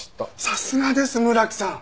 さすがです村木さん！